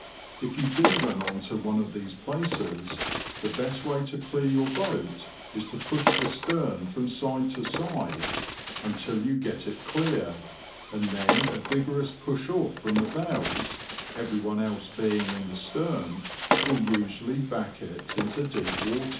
If you do run on to one of these places, the best way to clear your boat 158 THE LAND OF THE BROADS. is to push the stern from side to side until you get it clear, and then a vigorous push off from the bows (everyone else being in the stern) will usually back it into deep water.